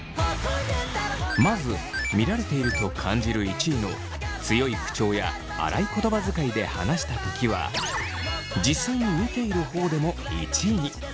まず見られていると感じる１位の強い口調や荒い言葉遣いで話したときは実際に見ている方でも１位に。